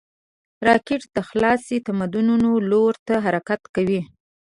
راکټ د خلایي تمدنونو لور ته حرکت کوي